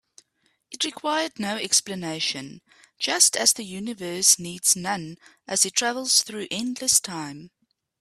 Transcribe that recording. It required no explanation, just as the universe needs none as it travels through endless time.